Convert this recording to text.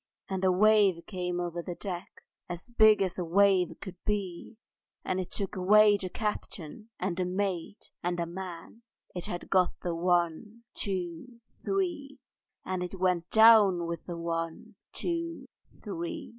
And a wave came over the deck, As big as a wave could be, And it took away the captain and the mate and a man: It had got the One, Two, Three! And it went with the One, Two, Three!